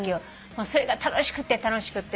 もうそれが楽しくて楽しくて。